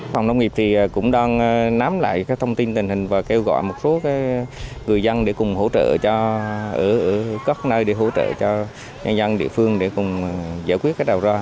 phòng nông nghiệp cũng đang nắm lại thông tin tình hình và kêu gọi một số người dân để cùng hỗ trợ cho nhân dân địa phương để cùng giải quyết đào ra